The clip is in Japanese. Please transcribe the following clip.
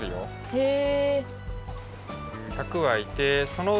へえ。